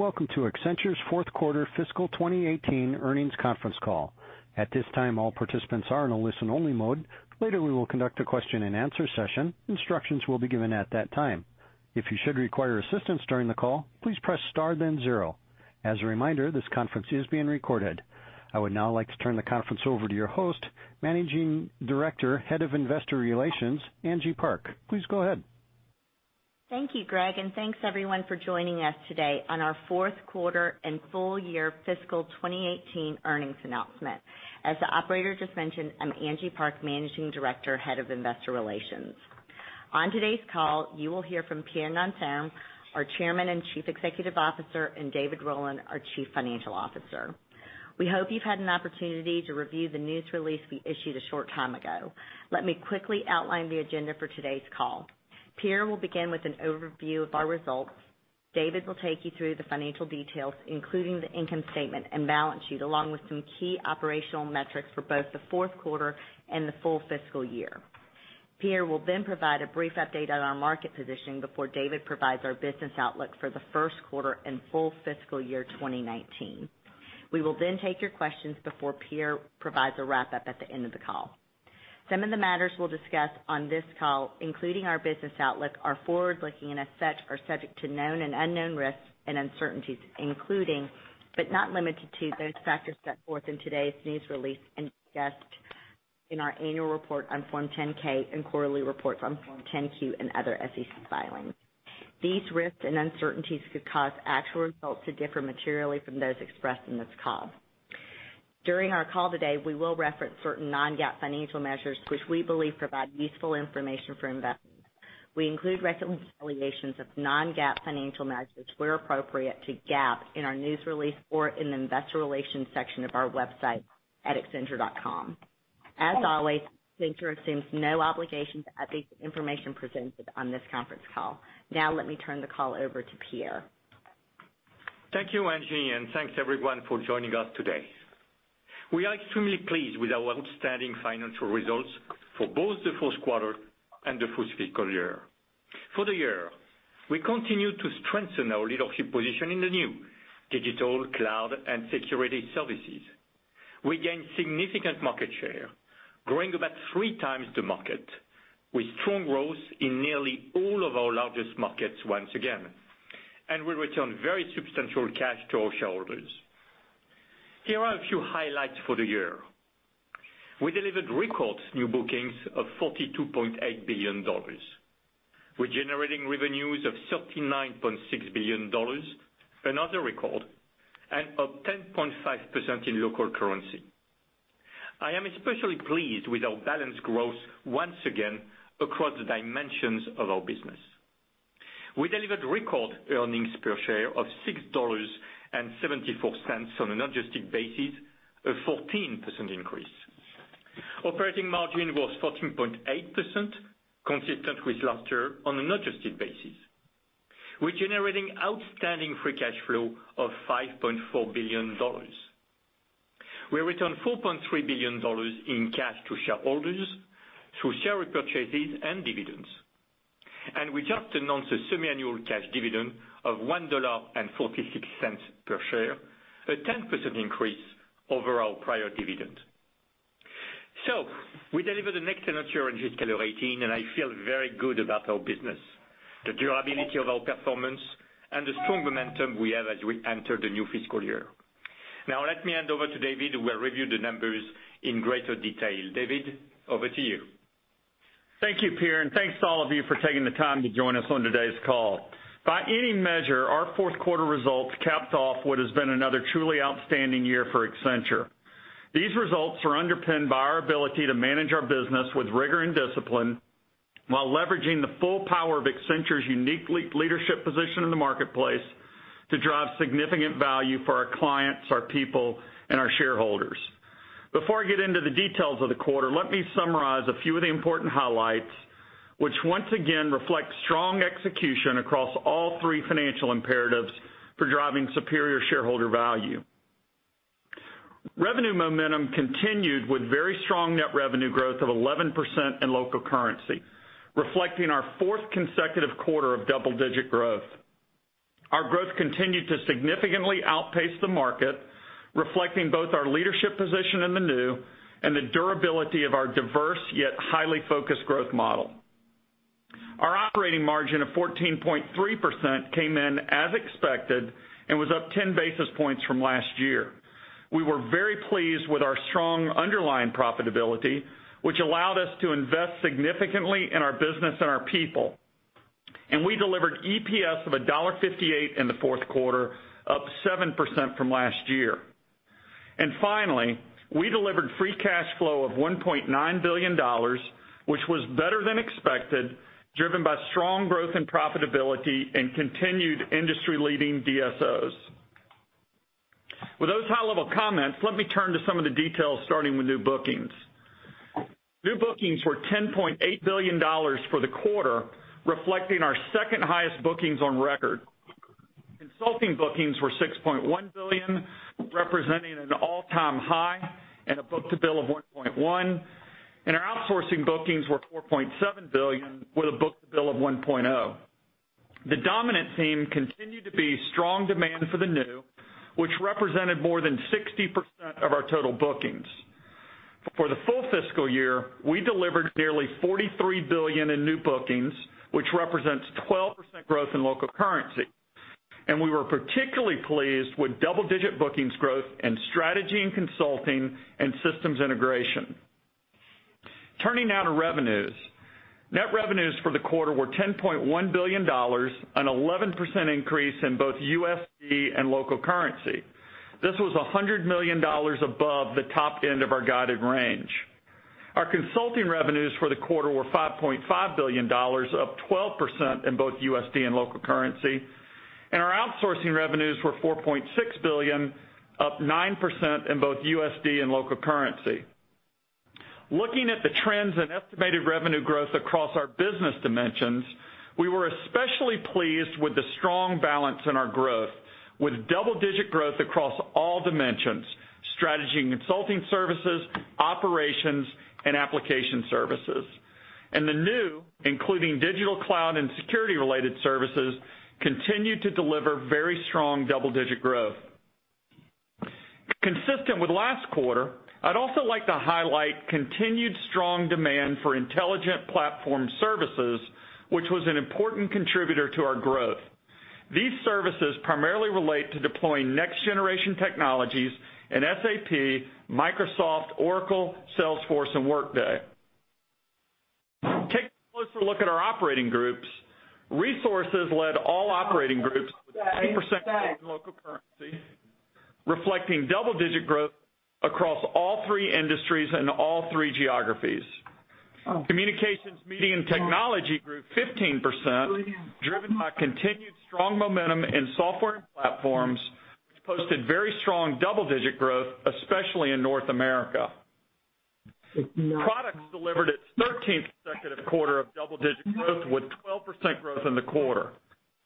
Welcome to Accenture's fourth quarter fiscal 2018 earnings conference call. At this time, all participants are in a listen-only mode. Later, we will conduct a question-and-answer session. Instructions will be given at that time. If you should require assistance during the call, please press star then zero. As a reminder, this conference is being recorded. I would now like to turn the conference over to your host, Managing Director, Head of Investor Relations, Angie Park. Please go ahead. Thank you, Greg, and thanks everyone for joining us today on our fourth quarter and full year fiscal 2018 earnings announcement. As the operator just mentioned, I'm Angie Park, Managing Director, Head of Investor Relations. On today's call, you will hear from Pierre Nanterme, our Chairman and Chief Executive Officer, and David Rowland, our Chief Financial Officer. We hope you've had an opportunity to review the news release we issued a short time ago. Let me quickly outline the agenda for today's call. Pierre will begin with an overview of our results. David will take you through the financial details, including the income statement and balance sheet, along with some key operational metrics for both the fourth quarter and the full fiscal year. Pierre will then provide a brief update on our market positioning before David provides our business outlook for the first quarter and full fiscal year 2019. We will then take your questions before Pierre provides a wrap-up at the end of the call. Some of the matters we'll discuss on this call, including our business outlook, are forward-looking and as such, are subject to known and unknown risks and uncertainties, including, but not limited to, those factors set forth in today's news release and discussed in our annual report on Form 10-K and quarterly reports on Form 10-Q and other SEC filings. These risks and uncertainties could cause actual results to differ materially from those expressed in this call. During our call today, we will reference certain non-GAAP financial measures which we believe provide useful information for investors. We include reconciliations of non-GAAP financial measures where appropriate to GAAP in our news release or in the investor relations section of our website at accenture.com. As always, Accenture assumes no obligation to update the information presented on this conference call. Now let me turn the call over to Pierre. Thank you, Angie, and thanks everyone for joining us today. We are extremely pleased with our outstanding financial results for both the fourth quarter and the full fiscal year. For the year, we continued to strengthen our leadership position in the new digital, cloud, and security services. We gained significant market share, growing about three times the market, with strong growth in nearly all of our largest markets once again. We returned very substantial cash to our shareholders. Here are a few highlights for the year. We delivered record new bookings of $42.8 billion. We're generating revenues of $39.6 billion, another record, and up 10.5% in local currency. I am especially pleased with our balanced growth once again across the dimensions of our business. We delivered record earnings per share of $6.74 on an adjusted basis, a 14% increase. Operating margin was 14.8%, consistent with last year on an adjusted basis. We're generating outstanding free cash flow of $5.4 billion. We returned $4.3 billion in cash to shareholders through share repurchases and dividends. We just announced a semiannual cash dividend of $1.46 per share, a 10% increase over our prior dividend. We delivered an excellent year in fiscal 2018, and I feel very good about our business, the durability of our performance, and the strong momentum we have as we enter the new fiscal year. Now let me hand over to David, who will review the numbers in greater detail. David, over to you. Thank you, Pierre, thanks to all of you for taking the time to join us on today's call. By any measure, our fourth quarter results capped off what has been another truly outstanding year for Accenture. These results are underpinned by our ability to manage our business with rigor and discipline while leveraging the full power of Accenture's unique leadership position in the marketplace to drive significant value for our clients, our people, and our shareholders. Before I get into the details of the quarter, let me summarize a few of the important highlights, which once again reflect strong execution across all three financial imperatives for driving superior shareholder value. Revenue momentum continued with very strong net revenue growth of 11% in local currency, reflecting our fourth consecutive quarter of double-digit growth. Our growth continued to significantly outpace the market, reflecting both our leadership position in the new and the durability of our diverse yet highly focused growth model. Our operating margin of 14.3% came in as expected and was up 10 basis points from last year. We were very pleased with our strong underlying profitability, which allowed us to invest significantly in our business and our people. We delivered EPS of $1.58 in the fourth quarter, up 7% from last year. Finally, we delivered free cash flow of $1.9 billion, which was better than expected, driven by strong growth and profitability and continued industry-leading DSOs. With those high-level comments, let me turn to some of the details, starting with new bookings. New bookings were $10.8 billion for the quarter, reflecting our second highest bookings on record. Consulting bookings were $6.1 billion, representing an all-time high and a book-to-bill of 1.1. Our outsourcing bookings were $4.7 billion, with a book-to-bill of 1.0. The dominant theme continued to be strong demand for the new, which represented more than 60% of our total bookings. For the full fiscal year, we delivered nearly $43 billion in new bookings, which represents 12% growth in local currency. We were particularly pleased with double-digit bookings growth in strategy and consulting and systems integration. Turning now to revenues. Net revenues for the quarter were $10.1 billion, an 11% increase in both USD and local currency. This was $100 million above the top end of our guided range. Our consulting revenues for the quarter were $5.5 billion, up 12% in both USD and local currency, and our outsourcing revenues were $4.6 billion, up 9% in both USD and local currency. Looking at the trends in estimated revenue growth across our business dimensions, we were especially pleased with the strong balance in our growth, with double-digit growth across all dimensions, strategy and consulting services, operations, and application services. The new, including digital cloud and security-related services, continued to deliver very strong double-digit growth. Consistent with last quarter, I'd also like to highlight continued strong demand for intelligent platform services, which was an important contributor to our growth. These services primarily relate to deploying next-generation technologies in SAP, Microsoft, Oracle, Salesforce, and Workday. Taking a closer look at our operating groups, Resources led all operating groups with 10% growth in local currency, reflecting double-digit growth across all three industries and all three geographies. Communications, Media, and Technology grew 15%, driven by continued strong momentum in software and platforms, which posted very strong double-digit growth, especially in North America. Products delivered its 13th consecutive quarter of double-digit growth with 12% growth in the quarter.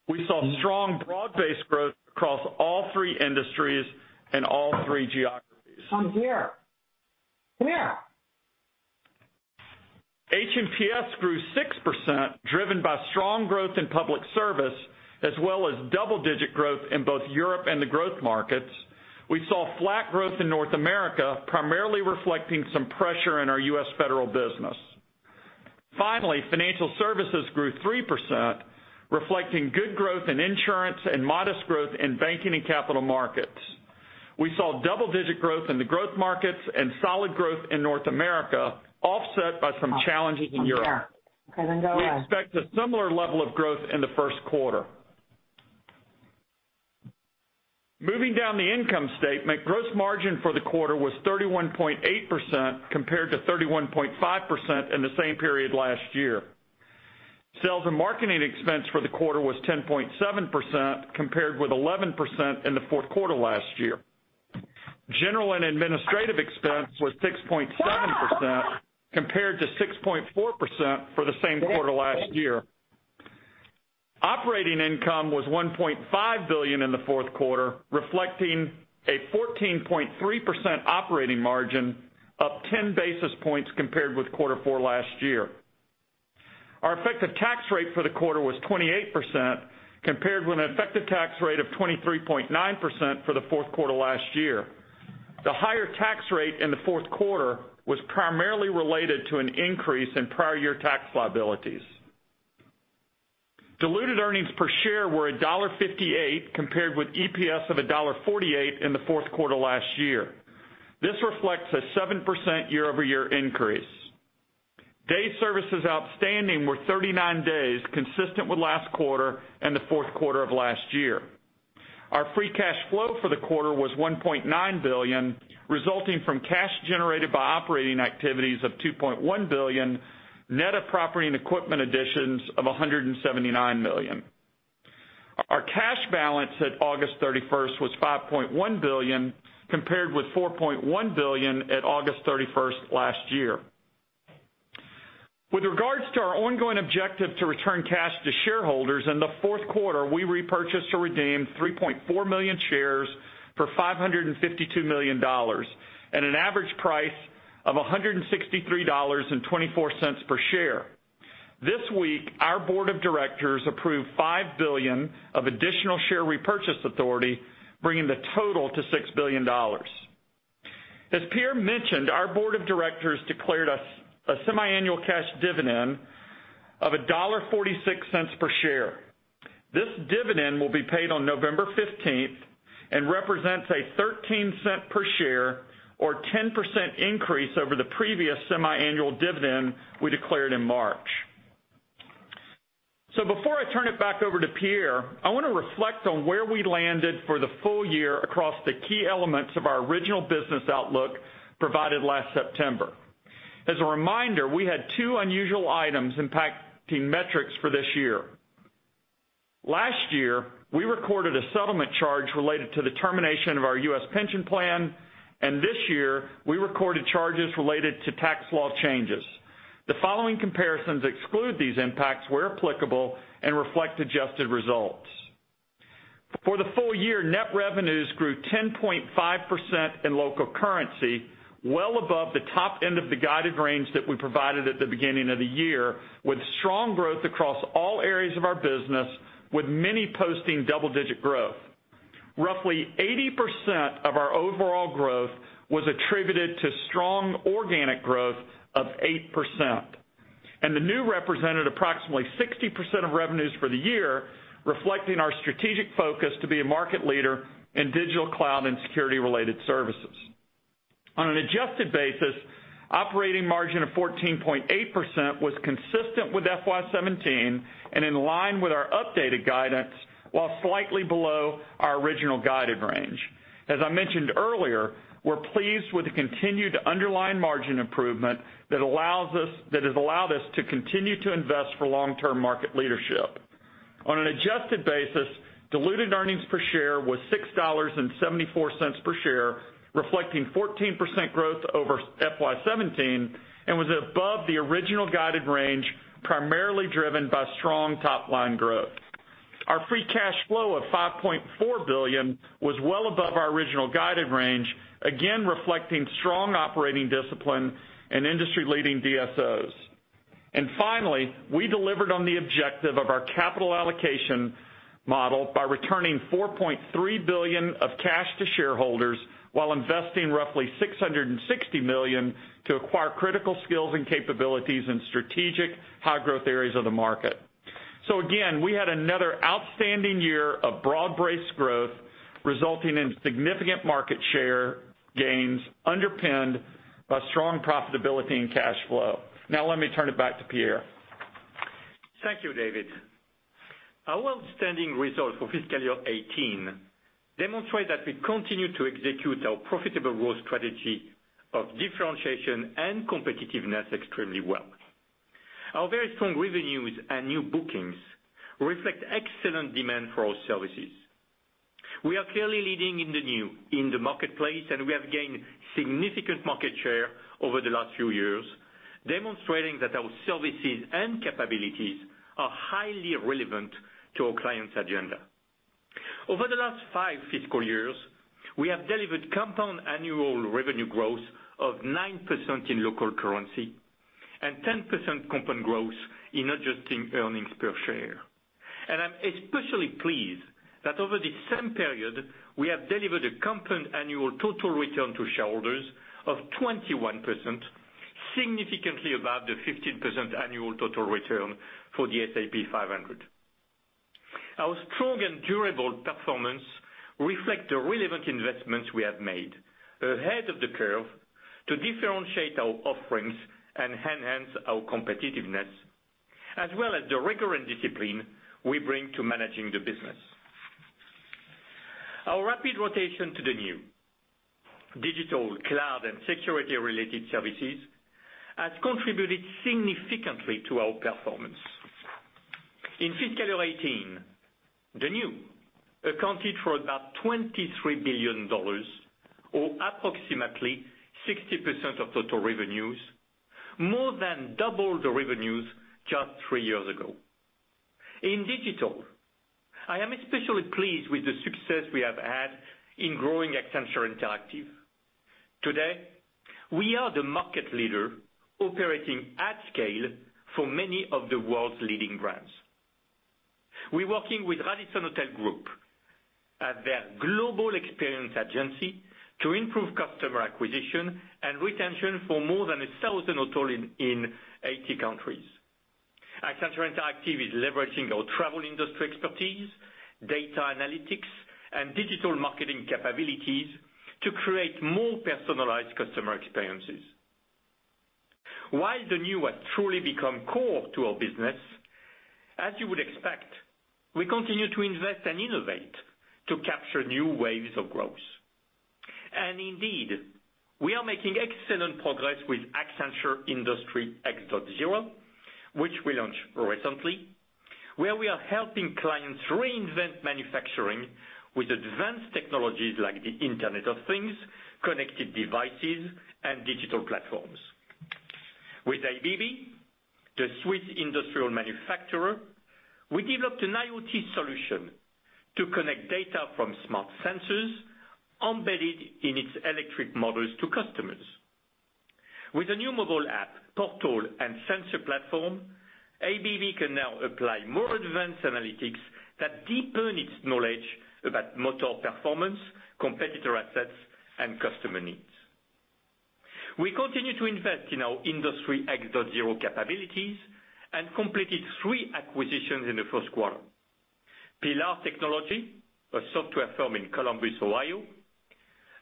We saw strong broad-based growth across all three industries and all three geographies. I'm here. Come here. H&PS grew 6%, driven by strong growth in public service, as well as double-digit growth in both Europe and the growth markets. We saw flat growth in North America, primarily reflecting some pressure in our U.S. federal business. Finally, financial services grew 3%, reflecting good growth in insurance and modest growth in banking and capital markets. We saw double-digit growth in the growth markets and solid growth in North America, offset by some challenges in Europe. I'm here. Okay, go ahead. We expect a similar level of growth in the first quarter. Moving down the income statement, gross margin for the quarter was 31.8% compared to 31.5% in the same period last year. Sales and marketing expense for the quarter was 10.7% compared with 11% in the fourth quarter last year. General and administrative expense was 6.7% compared to 6.4% for the same quarter last year. Operating income was $1.5 billion in the fourth quarter, reflecting a 14.3% operating margin, up 10 basis points compared with quarter four last year. Our effective tax rate for the quarter was 28% compared with an effective tax rate of 23.9% for the fourth quarter last year. The higher tax rate in the fourth quarter was primarily related to an increase in prior year tax liabilities. Diluted earnings per share were $1.58 compared with EPS of $1.48 in the fourth quarter last year. This reflects a 7% year-over-year increase. Day services outstanding were 39 days, consistent with last quarter and the fourth quarter of last year. Our free cash flow for the quarter was $1.9 billion, resulting from cash generated by operating activities of $2.1 billion, net of property and equipment additions of $179 million. Our cash balance at August 31st was $5.1 billion, compared with $4.1 billion at August 31st last year. With regards to our ongoing objective to return cash to shareholders, in the fourth quarter, we repurchased or redeemed 3.4 million shares for $552 million at an average price of $163.24 per share. This week, our board of directors approved $5 billion of additional share repurchase authority, bringing the total to $6 billion. As Pierre mentioned, our board of directors declared us a semiannual cash dividend of $1.46 per share. This dividend will be paid on November 15th and represents a $0.13 per share or 10% increase over the previous semiannual dividend we declared in March. Before I turn it back over to Pierre, I want to reflect on where we landed for the full year across the key elements of our original business outlook provided last September. As a reminder, we had two unusual items impacting metrics for this year. Last year, we recorded a settlement charge related to the termination of our U.S. pension plan, and this year we recorded charges related to tax law changes. The following comparisons exclude these impacts where applicable and reflect adjusted results. For the full year, net revenues grew 10.5% in local currency, well above the top end of the guided range that we provided at the beginning of the year, with strong growth across all areas of our business, with many posting double-digit growth. Roughly 80% of our overall growth was attributed to strong organic growth of 8%. The new represented approximately 60% of revenues for the year, reflecting our strategic focus to be a market leader in digital cloud and security-related services. On an adjusted basis, operating margin of 14.8% was consistent with FY 2017 and in line with our updated guidance, while slightly below our original guided range. As I mentioned earlier, we're pleased with the continued underlying margin improvement that has allowed us to continue to invest for long-term market leadership. On an adjusted basis, diluted earnings per share was $6.74 per share, reflecting 14% growth over FY 2017, and was above the original guided range, primarily driven by strong top-line growth. Our free cash flow of $5.4 billion was well above our original guided range, again reflecting strong operating discipline and industry-leading DSOs. Finally, we delivered on the objective of our capital allocation model by returning $4.3 billion of cash to shareholders while investing roughly $660 million to acquire critical skills and capabilities in strategic high-growth areas of the market. Again, we had another outstanding year of broad-based growth, resulting in significant market share gains underpinned by strong profitability and cash flow. Let me turn it back to Pierre. Thank you, David. Our outstanding results for fiscal year 2018 demonstrate that we continue to execute our profitable growth strategy of differentiation and competitiveness extremely well. Our very strong revenues and new bookings reflect excellent demand for our services. We are clearly leading in the new in the marketplace, and we have gained significant market share over the last few years, demonstrating that our services and capabilities are highly relevant to our clients' agenda. Over the last five fiscal years, we have delivered compound annual revenue growth of 9% in local currency and 10% compound growth in adjusted earnings per share. I'm especially pleased that over the same period, we have delivered a compound annual total return to shareholders of 21%, significantly above the 15% annual total return for the S&P 500. Our strong and durable performance reflect the relevant investments we have made ahead of the curve to differentiate our offerings and enhance our competitiveness, as well as the recurrent discipline we bring to managing the business. Our rapid rotation to the new digital cloud and security-related services has contributed significantly to our performance. In fiscal year 2018, the new accounted for about $23 billion, or approximately 60% of total revenues, more than double the revenues just three years ago. In digital, I am especially pleased with the success we have had in growing Accenture Interactive. Today, we are the market leader operating at scale for many of the world's leading brands. We're working with Radisson Hotel Group as their global experience agency to improve customer acquisition and retention for more than 1,000 hotels in 80 countries. Accenture Interactive is leveraging our travel industry expertise, data analytics, and digital marketing capabilities to create more personalized customer experiences. While the new has truly become core to our business, as you would expect, we continue to invest and innovate to capture new waves of growth. Indeed, we are making excellent progress with Accenture Industry X.0, which we launched recently, where we are helping clients reinvent manufacturing with advanced technologies like the Internet of Things, connected devices, and digital platforms. With ABB, the Swiss industrial manufacturer, we developed an IoT solution to connect data from smart sensors embedded in its electric models to customers. With a new mobile app, portal, and sensor platform, ABB can now apply more advanced analytics that deepen its knowledge about motor performance, competitor assets, and customer needs. We continue to invest in our Industry X.0 capabilities and completed three acquisitions in the first quarter. Pillar Technology, a software firm in Columbus, Ohio,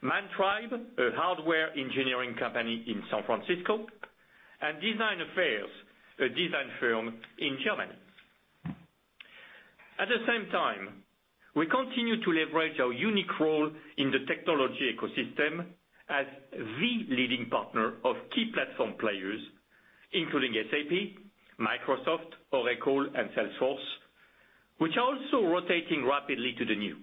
Mindtribe, a hardware engineering company in San Francisco, and designaffairs, a design firm in Germany. At the same time, we continue to leverage our unique role in the technology ecosystem as the leading partner of key platform players, including SAP, Microsoft, Oracle, and Salesforce, which are also rotating rapidly to the new.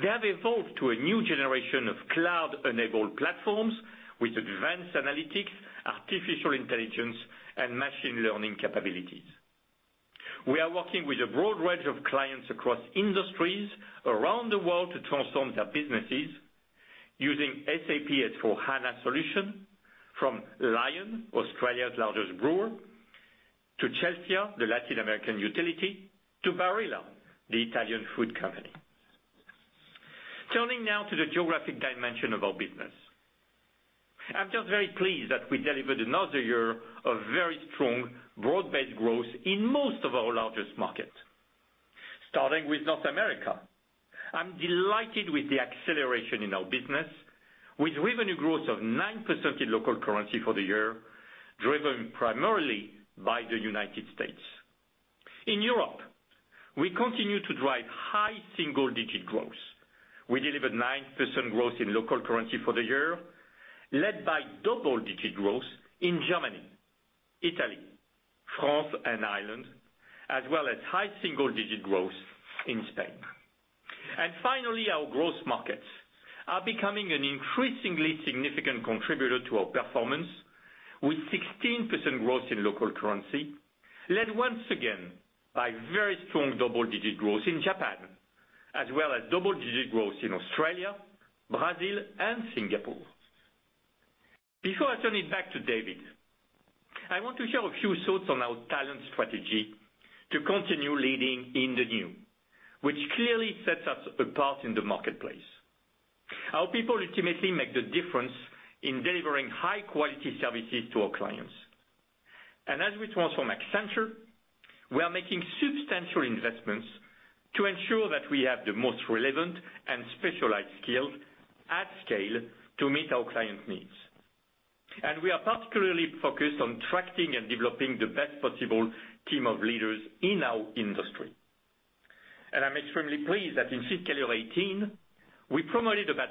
They have evolved to a new generation of cloud-enabled platforms with advanced analytics, artificial intelligence, and machine learning capabilities. We are working with a broad range of clients across industries around the world to transform their businesses using SAP S/4HANA solution, from Lion, Australia's largest brewer, to Celsia, the Latin American utility, to Barilla, the Italian food company. Turning now to the geographic dimension of our business. I'm just very pleased that we delivered another year of very strong, broad-based growth in most of our largest markets. Starting with North America, I'm delighted with the acceleration in our business, with revenue growth of 9% in local currency for the year, driven primarily by the U.S. In Europe, we continue to drive high single-digit growth. We delivered 9% growth in local currency for the year, led by double-digit growth in Germany, Italy, France, and Ireland, as well as high single-digit growth in Spain. Finally, our growth markets are becoming an increasingly significant contributor to our performance with 16% growth in local currency, led once again by very strong double-digit growth in Japan, as well as double-digit growth in Australia, Brazil, and Singapore. Before I turn it back to David, I want to share a few thoughts on our talent strategy to continue leading in the new, which clearly sets us apart in the marketplace. Our people ultimately make the difference in delivering high-quality services to our clients. As we transform Accenture, we are making substantial investments to ensure that we have the most relevant and specialized skills at scale to meet our clients' needs. We are particularly focused on attracting and developing the best possible team of leaders in our industry. I'm extremely pleased that in fiscal year 2018, we promoted about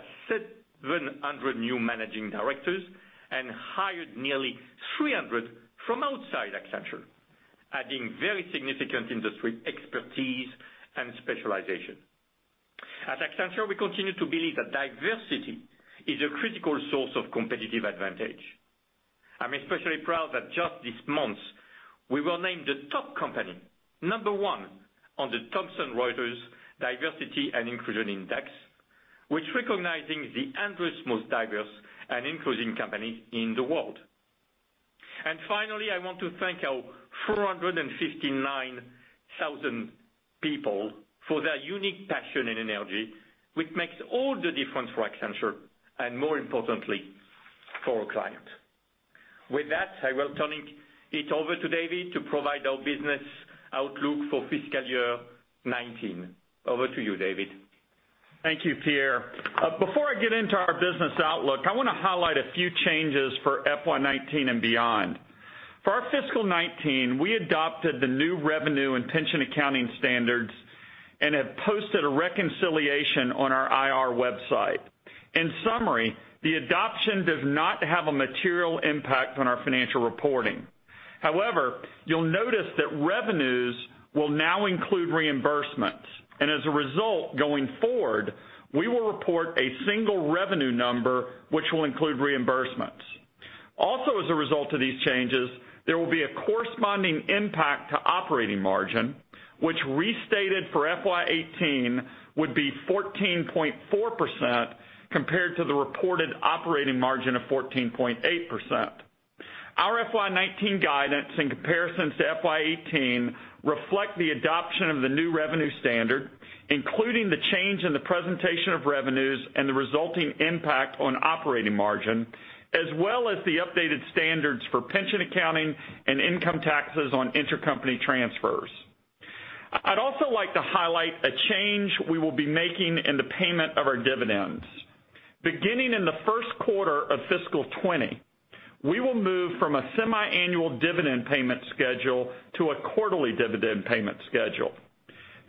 700 new managing directors and hired nearly 300 from outside Accenture, adding very significant industry expertise and specialization. At Accenture, we continue to believe that diversity is a critical source of competitive advantage. I'm especially proud that just this month, we were named the top company, number 1 on the Thomson Reuters Diversity & Inclusion Index, which recognizing the 100 most diverse and inclusive company in the world. Finally, I want to thank our 459,000 people for their unique passion and energy, which makes all the difference for Accenture, and more importantly, for our clients. With that, I will turning it over to David to provide our business outlook for fiscal year 2019. Over to you, David. Thank you, Pierre. Before I get into our business outlook, I want to highlight a few changes for FY 2019 and beyond. For our fiscal 2019, we adopted the new revenue and pension accounting standards and have posted a reconciliation on our IR website. In summary, the adoption does not have a material impact on our financial reporting. However, you'll notice that revenues will now include reimbursements, and as a result, going forward, we will report a single revenue number, which will include reimbursements. Also, as a result of these changes, there will be a corresponding impact to operating margin, which restated for FY 2018 would be 14.4% compared to the reported operating margin of 14.8%. Our FY 2019 guidance in comparison to FY 2018 reflect the adoption of the new revenue standard, including the change in the presentation of revenues and the resulting impact on operating margin, as well as the updated standards for pension accounting and income taxes on intercompany transfers. I'd also like to highlight a change we will be making in the payment of our dividends. Beginning in the first quarter of fiscal 2020, we will move from a semiannual dividend payment schedule to a quarterly dividend payment schedule.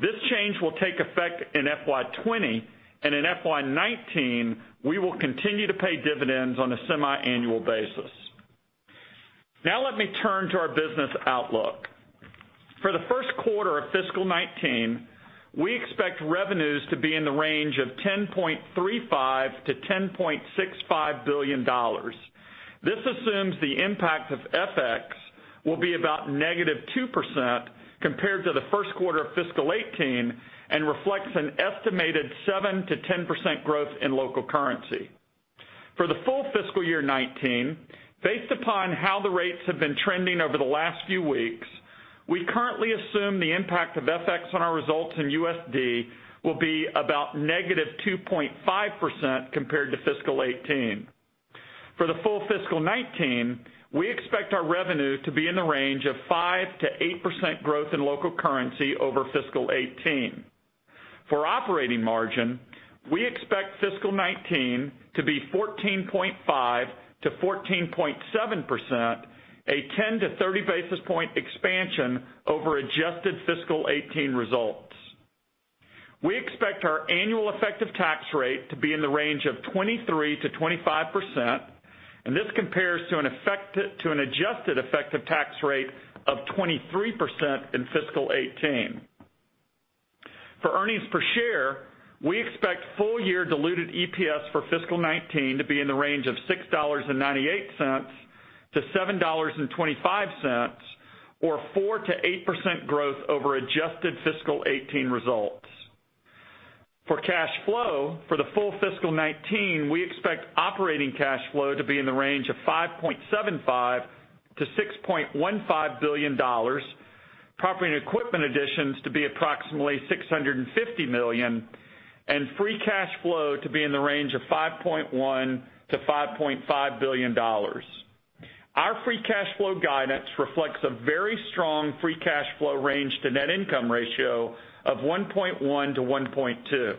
This change will take effect in FY 2020, and in FY 2019, we will continue to pay dividends on a semiannual basis. Now let me turn to our business outlook. For the first quarter of fiscal 2019, we expect revenues to be in the range of $10.35 billion-$10.65 billion. This assumes the impact of FX will be about -2% compared to the first quarter of fiscal 2018 and reflects an estimated 7%-10% growth in local currency. For the full fiscal year 2019, based upon how the rates have been trending over the last few weeks, we currently assume the impact of FX on our results in USD will be about -2.5% compared to fiscal 2018. For the full fiscal 2019, we expect our revenue to be in the range of 5%-8% growth in local currency over fiscal 2018. For operating margin, we expect fiscal 2019 to be 14.5%-14.7%, a 10 to 30 basis point expansion over adjusted fiscal 2018 results. We expect our annual effective tax rate to be in the range of 23%-25%. This compares to an adjusted effective tax rate of 23% in fiscal 2018. For earnings per share, we expect full-year diluted EPS for fiscal 2019 to be in the range of $6.98-$7.25, or 4%-8% growth over adjusted fiscal 2018 results. For cash flow for the full fiscal 2019, we expect operating cash flow to be in the range of $5.75 billion-$6.15 billion, property and equipment additions to be approximately $650 million, and free cash flow to be in the range of $5.1 billion-$5.5 billion. Our free cash flow guidance reflects a very strong free cash flow range to net income ratio of 1.1 to 1.2.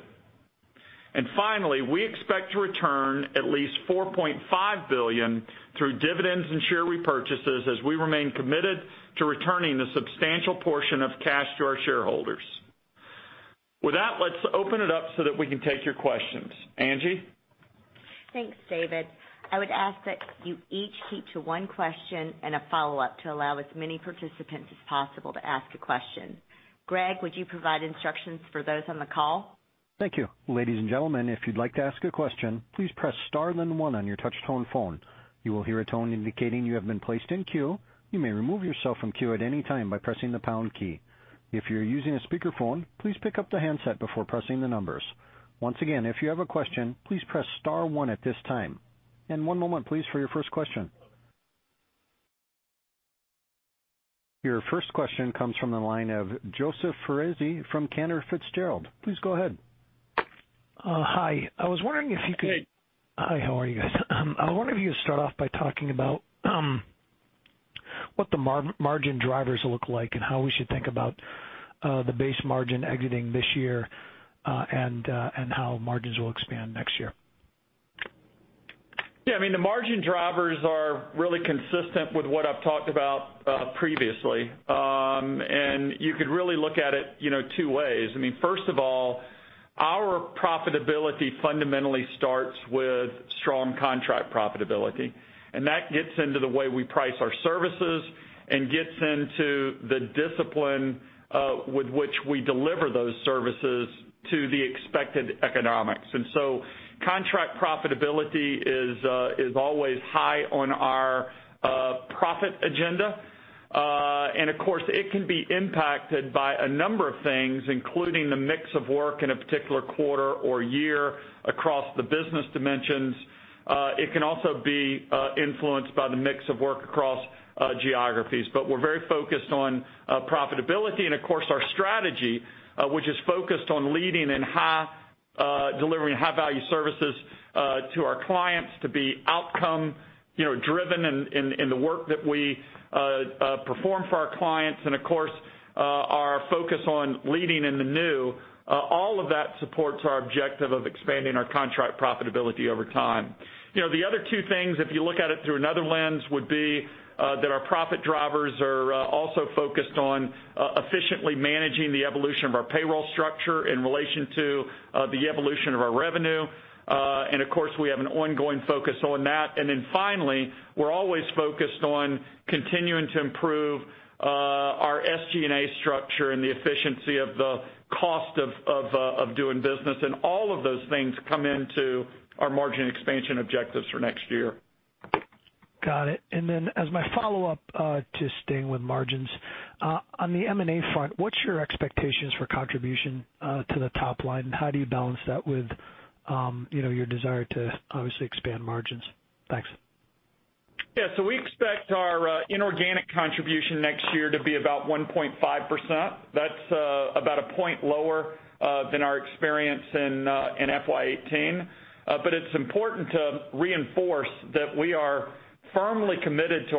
Finally, we expect to return at least $4.5 billion through dividends and share repurchases as we remain committed to returning a substantial portion of cash to our shareholders. With that, let's open it up so that we can take your questions. Angie? Thanks, David. I would ask that you each keep to one question and a follow-up to allow as many participants as possible to ask a question. Greg, would you provide instructions for those on the call? Thank you. Ladies and gentlemen, if you'd like to ask a question, please press star then one on your touch tone phone. You will hear a tone indicating you have been placed in queue. You may remove yourself from queue at any time by pressing the pound key. If you're using a speakerphone, please pick up the handset before pressing the numbers. Once again, if you have a question, please press star one at this time. One moment, please, for your first question. Your first question comes from the line of Joseph Foresi from Cantor Fitzgerald. Please go ahead. Hi. I was wondering if you Hey Hi, how are you guys? I wonder if you could start off by talking about what the margin drivers look like and how we should think about the base margin exiting this year, and how margins will expand next year. Yeah, the margin drivers are really consistent with what I've talked about previously. You could really look at it two ways. First of all, our profitability fundamentally starts with strong contract profitability, and that gets into the way we price our services and gets into the discipline with which we deliver those services to the expected economics. Contract profitability is always high on our profit agenda. Of course, it can be impacted by a number of things, including the mix of work in a particular quarter or year across the business dimensions. It can also be influenced by the mix of work across geographies. We're very focused on profitability, and of course, our strategy, which is focused on leading and delivering high-value services to our clients to be outcome-driven in the work that we perform for our clients, and of course, our focus on leading in the new. All of that supports our objective of expanding our contract profitability over time. The other two things, if you look at it through another lens, would be that our profit drivers are also focused on efficiently managing the evolution of our payroll structure in relation to the evolution of our revenue. Of course, we have an ongoing focus on that. Finally, we're always focused on continuing to improve our SG&A structure and the efficiency of the cost of doing business, and all of those things come into our margin expansion objectives for next year. Got it. As my follow-up to staying with margins, on the M&A front, what's your expectations for contribution to the top line? How do you balance that with your desire to obviously expand margins? Thanks. Yeah. We expect our inorganic contribution next year to be about 1.5%. That's about a point lower than our experience in FY 2018. It's important to reinforce that we are firmly committed to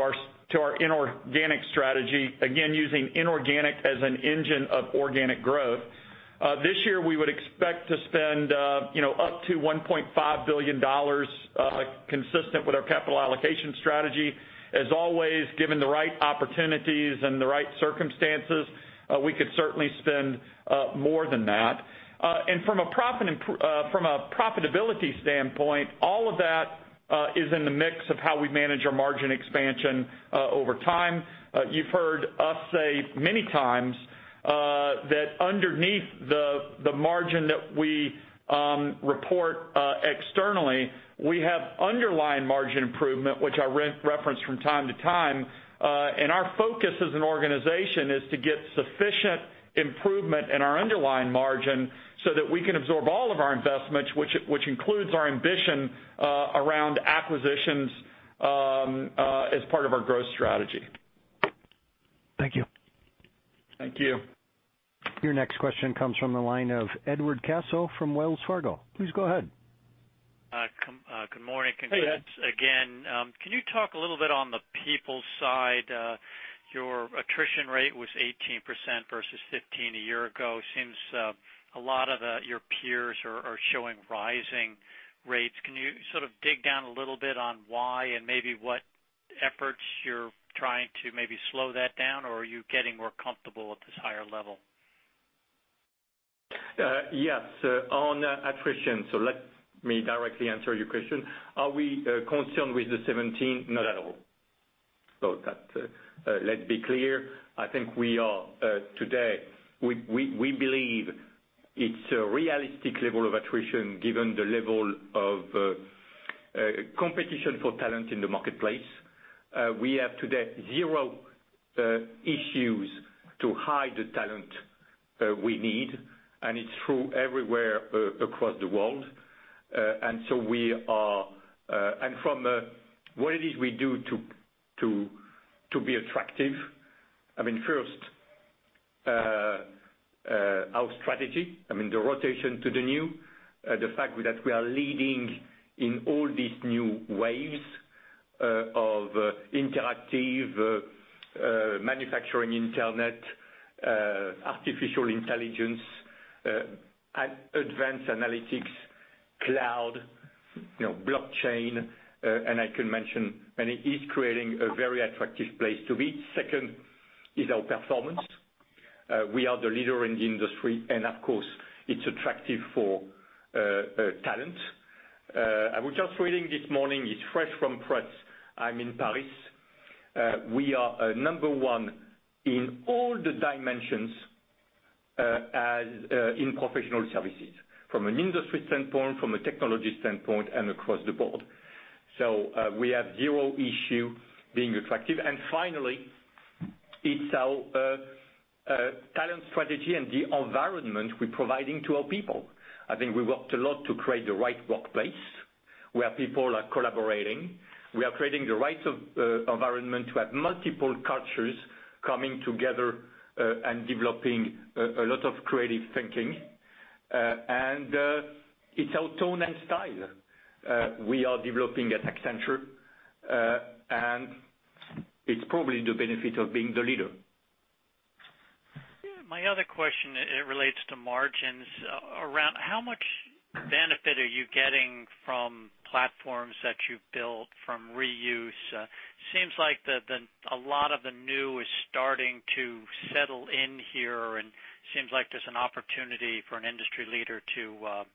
our inorganic strategy, again, using inorganic as an engine of organic growth. This year, we would expect to spend up to $1.5 billion, consistent with our capital allocation strategy. As always, given the right opportunities and the right circumstances, we could certainly spend more than that. From a profitability standpoint, all of that is in the mix of how we manage our margin expansion over time. You've heard us say many times that underneath the margin that we report externally, we have underlying margin improvement, which I reference from time to time. Our focus as an organization is to get sufficient improvement in our underlying margin so that we can absorb all of our investments, which includes our ambition around acquisitions as part of our growth strategy. Thank you. Thank you. Your next question comes from the line of Edward Caso from Wells Fargo. Please go ahead. Good morning. Hey, Ed. Congrats again. Can you talk a little on the people side? Your attrition rate was 18% versus 15% a year ago. Seems a lot of your peers are showing rising rates. Can you sort of dig down a little on why and maybe what efforts you're trying to maybe slow that down? Are you getting more comfortable at this higher level? Yes. On attrition, let me directly answer your question. Are we concerned with the 17? Not at all. Let's be clear. I think today, we believe it's a realistic level of attrition given the level of competition for talent in the marketplace. We have today zero issues to hide the talent we need, and it's true everywhere across the world. From what it is we do to be attractive, first, our strategy, the rotation to the new, the fact that we are leading in all these new waves of Industry X.0, internet, artificial intelligence, advanced analytics, cloud, blockchain, I could mention, it is creating a very attractive place to be. Second is our performance. We are the leader in the industry, of course, it's attractive for talent. I was just reading this morning, it's fresh from press, I'm in Paris. We are number one in all the dimensions in professional services, from an industry standpoint, from a technology standpoint, across the board. We have zero issue being attractive. Finally, it's our talent strategy and the environment we're providing to our people. I think we worked a lot to create the right workplace where people are collaborating. We are creating the right environment to have multiple cultures coming together and developing a lot of creative thinking. It's our tone and style we are developing at Accenture, and it's probably the benefit of being the leader. My other question, it relates to margins. Around how much benefit are you getting from platforms that you've built from reuse? Seems like a lot of the new is starting to settle in here, seems like there's an opportunity for an industry leader to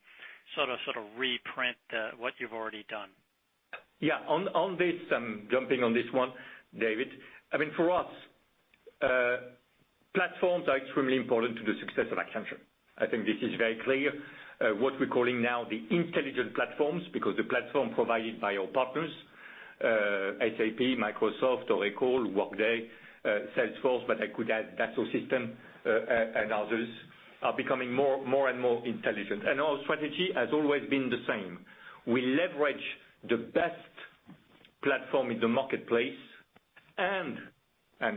sort of reprint what you've already done. Yeah. On this, I'm jumping on this one, David. For us, platforms are extremely important to the success of Accenture. I think this is very clear. What we're calling now the intelligent platforms, because the platform provided by our partners, SAP, Microsoft, Oracle, Workday, Salesforce, but I could add Dassault Systèmes and others, are becoming more and more intelligent. Our strategy has always been the same. We leverage the best platform in the marketplace, and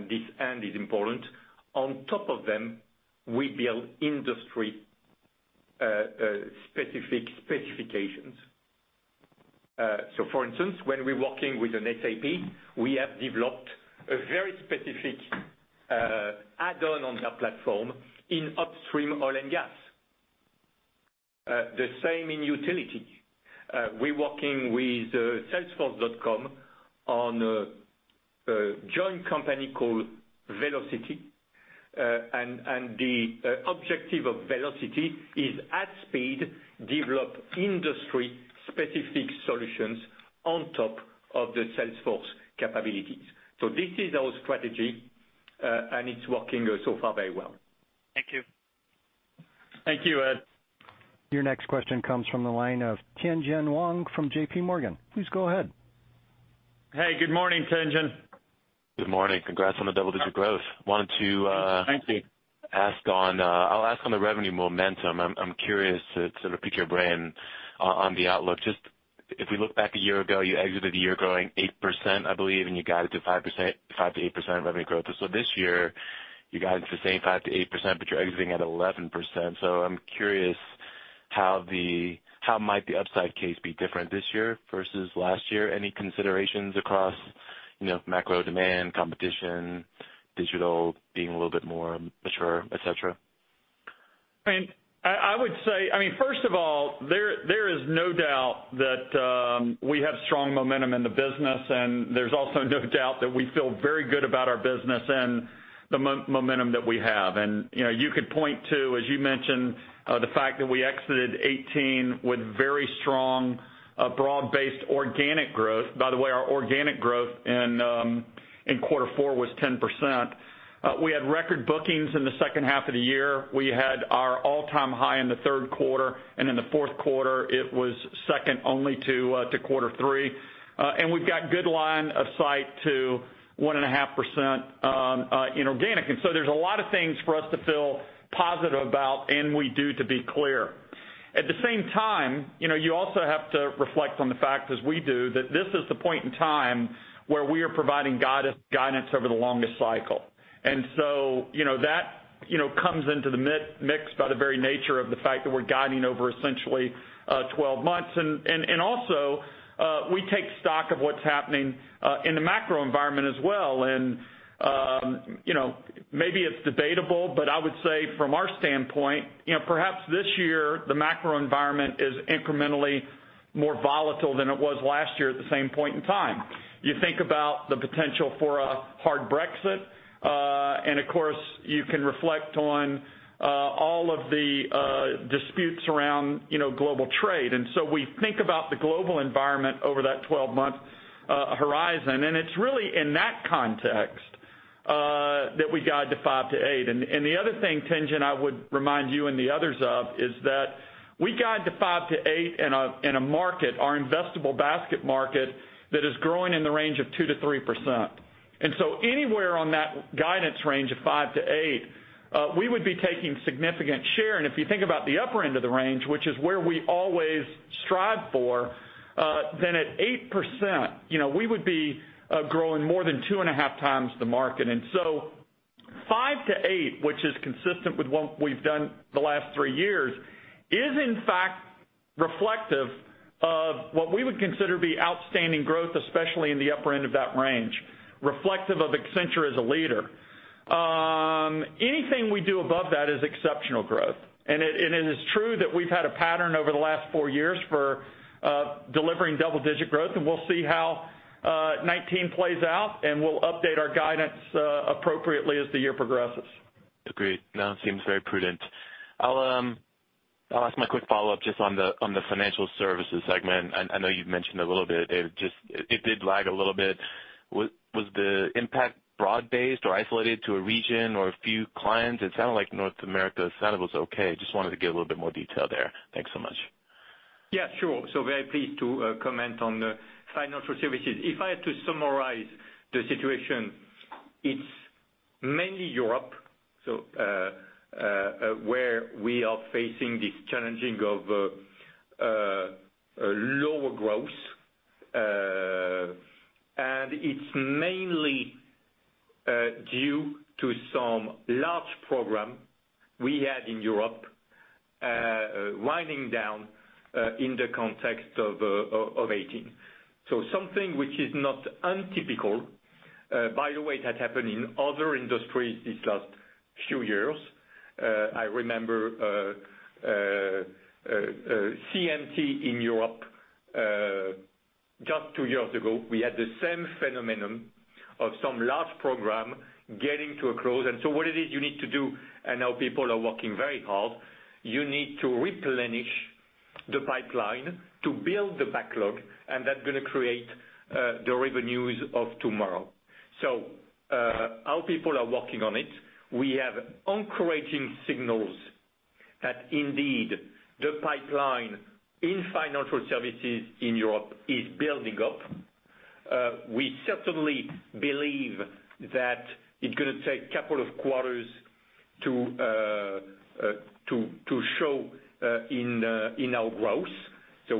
this "and" is important, on top of them, we build industry-specific specifications. For instance, when we're working with an SAP, we have developed a very specific add-on on their platform in upstream oil and gas. The same in utility. We're working with salesforce.com on a joint company called Vlocity. The objective of Vlocity is at speed, develop industry-specific solutions on top of the Salesforce capabilities. This is our strategy, and it's working so far very well. Thank you. Thank you, Ed. Your next question comes from the line of Tien-Tsin Huang from JPMorgan. Please go ahead. Hey, good morning, Tien-Tsin. Good morning. Congrats on the double-digit growth. Thank you I'll ask on the revenue momentum. I'm curious to sort of pick your brain on the outlook. If we look back a year ago, you exited the year growing 8%, I believe, and you guided to 5%-8% revenue growth. This year, you guided the same 5%-8%, but you're exiting at 11%. I'm curious how might the upside case be different this year versus last year? Any considerations across macro demand, competition, digital being a little bit more mature, et cetera? I would say, first of all, there is no doubt that we have strong momentum in the business, and there's also no doubt that we feel very good about our business and the momentum that we have. You could point to, as you mentioned, the fact that we exited 2018 with very strong broad-based organic growth. By the way, our organic growth in quarter four was 10%. We had record bookings in the second half of the year. We had our all-time high in the third quarter, and in the fourth quarter, it was second only to quarter three. We've got good line of sight to 1.5% in organic. There's a lot of things for us to feel positive about, and we do, to be clear. At the same time, you also have to reflect on the fact as we do, that this is the point in time where we are providing guidance over the longest cycle. That comes into the mix by the very nature of the fact that we're guiding over essentially 12 months. Also, we take stock of what's happening in the macro environment as well. Maybe it's debatable, but I would say from our standpoint, perhaps this year, the macro environment is incrementally More volatile than it was last year at the same point in time. You think about the potential for a hard Brexit. Of course, you can reflect on all of the disputes around global trade. We think about the global environment over that 12-month horizon, and it's really in that context that we guide to 5%-8%. The other thing, Tien-Tsin, I would remind you and the others of, is that we guide to 5%-8% in a market, our investable basket market, that is growing in the range of 2%-3%. Anywhere on that guidance range of 5%-8%, we would be taking significant share. If you think about the upper end of the range, which is where we always strive for, at 8%, we would be growing more than two and a half times the market. 5%-8%, which is consistent with what we've done the last three years, is in fact reflective of what we would consider to be outstanding growth, especially in the upper end of that range, reflective of Accenture as a leader. Anything we do above that is exceptional growth, it is true that we've had a pattern over the last four years for delivering double-digit growth, we'll see how 2019 plays out, and we'll update our guidance appropriately as the year progresses. Agreed. That seems very prudent. I'll ask my quick follow-up just on the Financial Services segment. I know you've mentioned a little bit. It did lag a little bit. Was the impact broad-based or isolated to a region or a few clients? It sounded like North America. It sounded like it was okay. Just wanted to get a little bit more detail there. Thanks so much. Yeah, sure. Very pleased to comment on the Financial Services. If I had to summarize the situation, it's mainly Europe where we are facing this challenging of lower growth. It's mainly due to some large program we had in Europe winding down in the context of 2018. Something which is not untypical. By the way, it had happened in other industries these last few years. I remember CMT in Europe, just two years ago, we had the same phenomenon of some large program getting to a close. What it is you need to do, and our people are working very hard, you need to replenish the pipeline to build the backlog, and that's going to create the revenues of tomorrow. Our people are working on it. We have encouraging signals that indeed the pipeline in Financial Services in Europe is building up. We certainly believe that it's going to take a couple of quarters to show in our growth.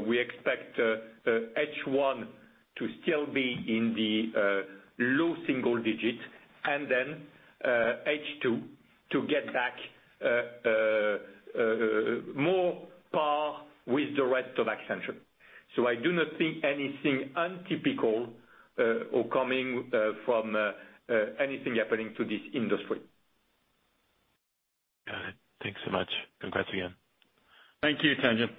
We expect H1 to still be in the low single digits and then H2 to get back more par with the rest of Accenture. I do not think anything untypical or coming from anything happening to this industry. Got it. Thanks so much. Congrats again. Thank you, Tien-Tsin.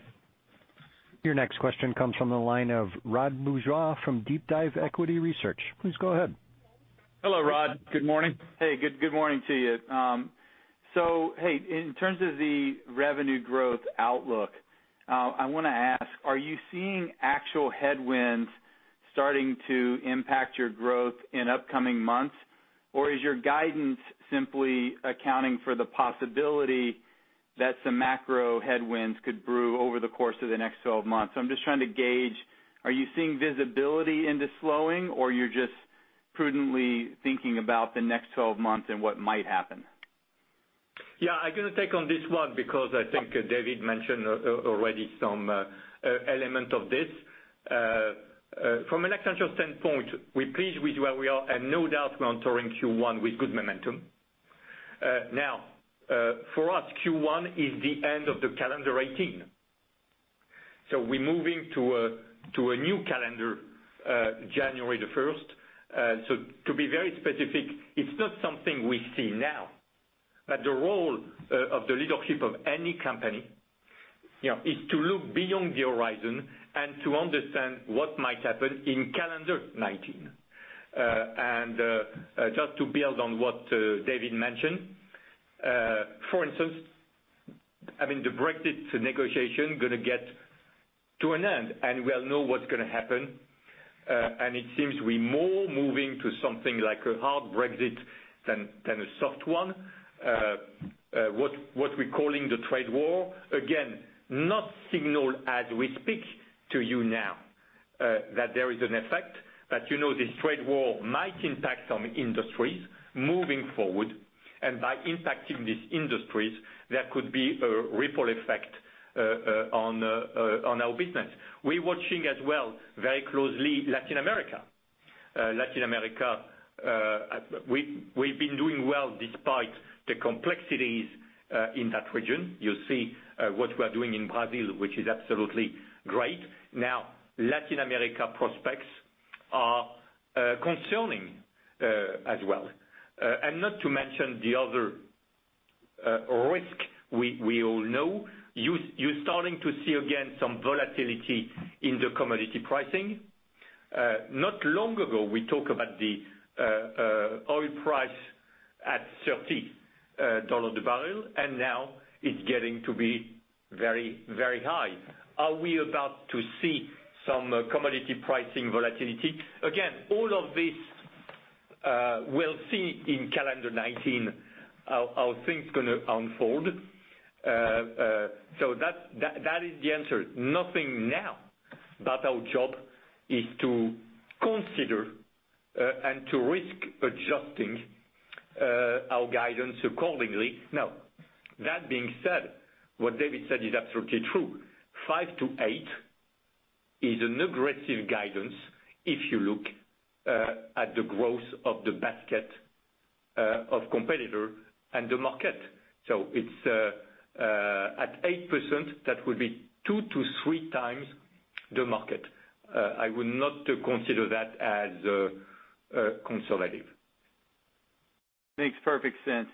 Your next question comes from the line of Rod Bourgeois from Deep Dive Equity Research. Please go ahead. Hello, Rod. Good morning. Hey, good morning to you. In terms of the revenue growth outlook, I want to ask, are you seeing actual headwinds starting to impact your growth in upcoming months? Or is your guidance simply accounting for the possibility that some macro headwinds could brew over the course of the next 12 months? I'm just trying to gauge, are you seeing visibility into slowing or you're just prudently thinking about the next 12 months and what might happen? Yeah, I'm going to take on this one because I think David mentioned already some element of this. From an Accenture standpoint, we're pleased with where we are and no doubt we entering Q1 with good momentum. For us, Q1 is the end of the calendar 2018. We're moving to a new calendar January the 1st. To be very specific, it's not something we see now, but the role of the leadership of any company is to look beyond the horizon and to understand what might happen in calendar 2019. Just to build on what David mentioned, for instance, having the Brexit negotiation going to get to an end, and we'll know what's going to happen. It seems we're more moving to something like a hard Brexit than a soft one. What we're calling the trade war, again, not signaled as we speak to you now that there is an effect, but you know this trade war might impact some industries moving forward. By impacting these industries, there could be a ripple effect on our business. We're watching as well, very closely, Latin America. Latin America, we've been doing well despite the complexities in that region. You see what we are doing in Brazil, which is absolutely great. Latin America prospects are concerning as well. Not to mention the other risks we all know. You're starting to see again some volatility in the commodity pricing. Not long ago, we talked about the oil price at $30 a barrel, and now it's getting to be very high. Are we about to see some commodity pricing volatility? Again, all of this we'll see in calendar 2019, how things going to unfold. That is the answer. Nothing now, but our job is to consider and to risk adjusting our guidance accordingly. That being said, what David said is absolutely true. 5-8 is an aggressive guidance if you look at the growth of the basket of competitors and the market. It's at 8%, that would be two to three times the market. I would not consider that as conservative. Makes perfect sense.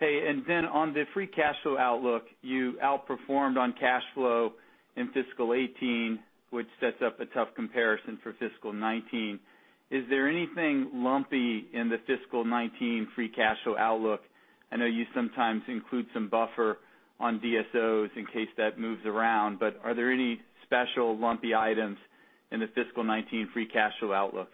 Hey, on the free cash flow outlook, you outperformed on cash flow in fiscal 2018, which sets up a tough comparison for fiscal 2019. Is there anything lumpy in the fiscal 2019 free cash flow outlook? I know you sometimes include some buffer on DSOs in case that moves around, but are there any special lumpy items in the fiscal 2019 free cash flow outlook?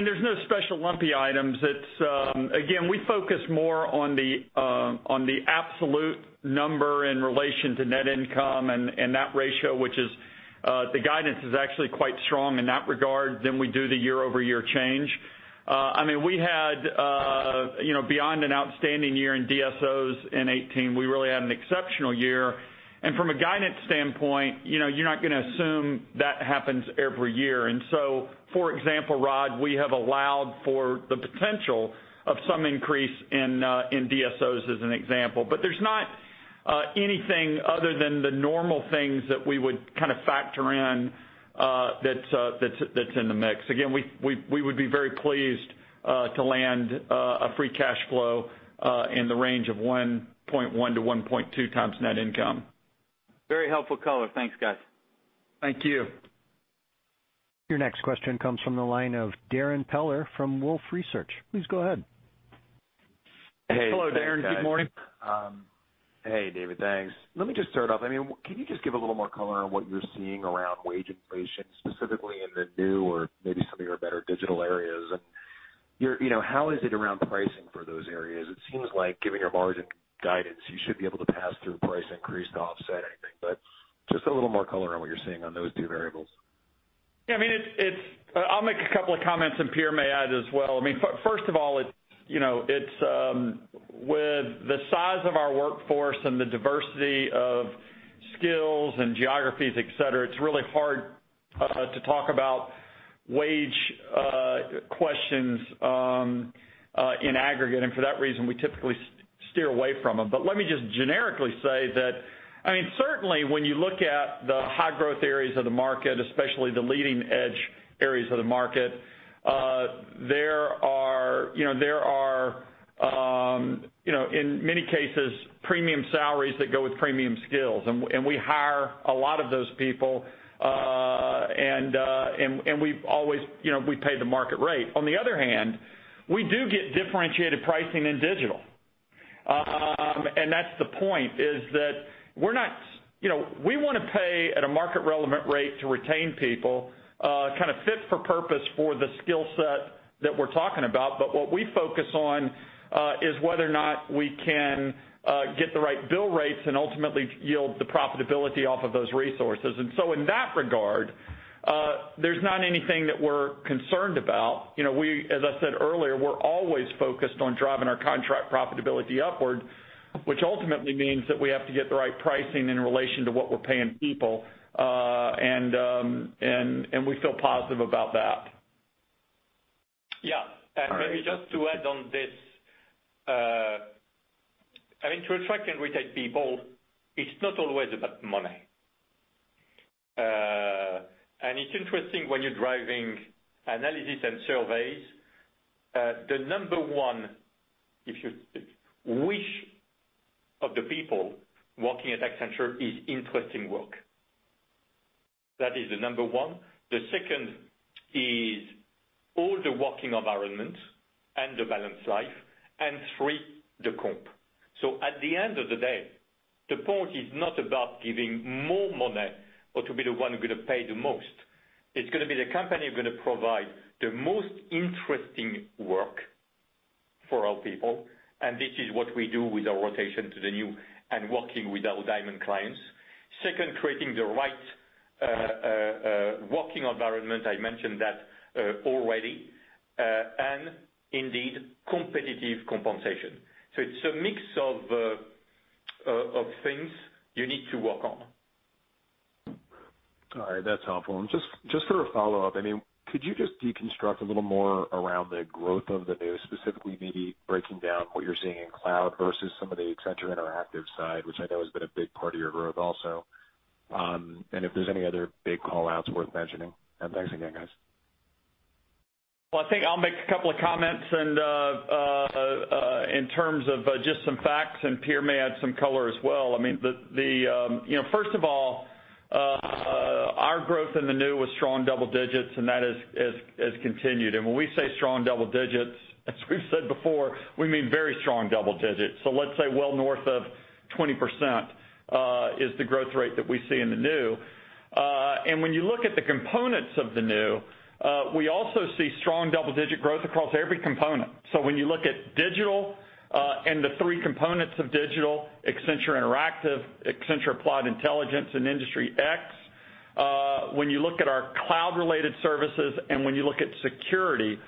There's no special lumpy items. We focus more on the absolute number in relation to net income and that ratio, which is the guidance is actually quite strong in that regard than we do the year-over-year change. We had beyond an outstanding year in DSOs in 2018, we really had an exceptional year. From a guidance standpoint, you're not going to assume that happens every year. So, for example, Rod, we have allowed for the potential of some increase in DSOs as an example. There's not anything other than the normal things that we would factor in that's in the mix. We would be very pleased to land a free cash flow in the range of 1.1 to 1.2 times net income. Very helpful color. Thanks, guys. Thank you. Your next question comes from the line of Darrin Peller from Wolfe Research. Please go ahead. Hello, Darrin. Good morning. Hey, David. Thanks. Let me just start off. Can you just give a little more color on what you're seeing around wage inflation, specifically in the new or maybe some of your better digital areas? How is it around pricing for those areas? It seems like given your margin guidance, you should be able to pass through price increase to offset anything. Just a little more color on what you're seeing on those two variables. Yeah. I'll make a couple of comments and Pierre may add as well. First of all, with the size of our workforce and the diversity of skills and geographies, et cetera, it's really hard to talk about wage questions in aggregate. For that reason, we typically steer away from them. Let me just generically say that, certainly when you look at the high growth areas of the market, especially the leading edge areas of the market, there are in many cases, premium salaries that go with premium skills. We hire a lot of those people. We pay the market rate. On the other hand, we do get differentiated pricing in digital. That's the point, is that we want to pay at a market relevant rate to retain people fit for purpose for the skill set that we're talking about. What we focus on is whether or not we can get the right bill rates and ultimately yield the profitability off of those resources. In that regard, there's not anything that we're concerned about. As I said earlier, we're always focused on driving our contract profitability upward, which ultimately means that we have to get the right pricing in relation to what we're paying people. We feel positive about that. Yeah. Maybe just to add on this. To attract and retain people, it's not always about money. It's interesting when you're driving analysis and surveys, the number one wish of the people working at Accenture is interesting work. That is the number one. The second is all the working environment and the balanced life. Three, the comp. At the end of the day, the point is not about giving more money or to be the one who going to pay the most. It's going to be the company going to provide the most interesting work for our people. This is what we do with our rotation to the new and working with our diamond clients. Second, creating the right working environment. I mentioned that already. Indeed, competitive compensation. It's a mix of things you need to work on. All right. That's helpful. Just for a follow-up, could you just deconstruct a little more around the growth of the new, specifically maybe breaking down what you're seeing in cloud versus some of the Accenture Interactive side, which I know has been a big part of your growth also? If there's any other big call outs worth mentioning. Thanks again, guys Well, I think I'll make a couple of comments in terms of just some facts, Pierre may add some color as well. First of all, our growth in the new was strong double digits, that has continued. When we say strong double digits, as we've said before, we mean very strong double digits. Let's say well north of 20% is the growth rate that we see in the new. When you look at the components of the new, we also see strong double-digit growth across every component. When you look at digital and the three components of digital, Accenture Interactive, Accenture Applied Intelligence, and Industry X.0 When you look at our cloud-related services and when you look at security,